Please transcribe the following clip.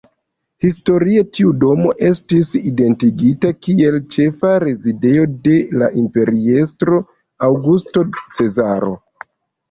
Historie, tiu domo estis identigita kiel ĉefa rezidejo de la imperiestro Aŭgusto Cezaro.